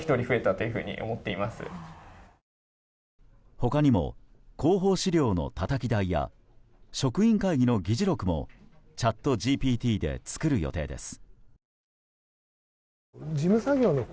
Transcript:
他にも広報資料のたたき台や職員会議の議事録もチャットＧＰＴで作る予定です。